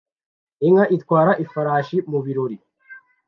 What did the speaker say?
inka itwara ifarashi mubirori